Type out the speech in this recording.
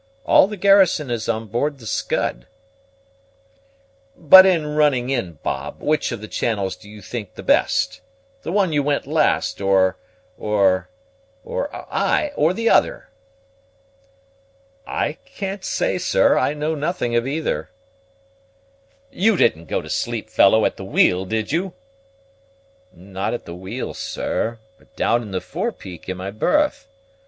All the garrison is on board the Scud." "But in running in, Bob, which of the channels do you think the best? the one you went last, or or or ay, or the other?" "I can't say, sir; I know nothing of either." "You didn't go to sleep, fellow, at the wheel, did you?" "Not at the wheel, sir, but down in the fore peak in my berth.